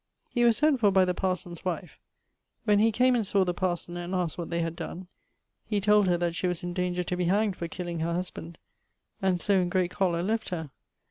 He was sent for by the parson's wife. When he came and sawe the parson, and asked what they had donne, he told her that she was in danger to be hanged for killing her husband, and so in great choler left her.